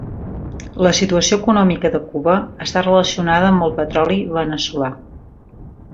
La situació econòmica de Cuba està relacionada amb el petroli veneçolà.